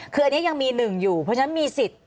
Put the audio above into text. คืออันนี้ยังมีหนึ่งอยู่เพราะฉะนั้นมีสิทธิ์